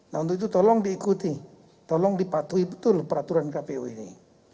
nah untuk itu tolong diikuti tolong dipatuhi betul peraturan kpu ini